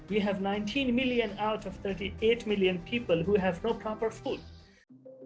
yang tidak memiliki makanan yang sepatutnya